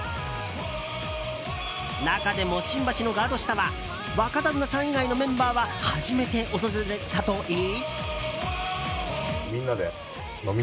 中でも、新橋のガード下は若旦那さん以外のメンバーは初めて訪れたといい。